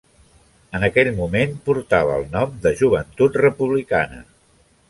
En aquell moment portava el nom de Joventut Republicana.